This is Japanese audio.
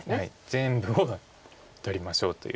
全部を取りましょうという。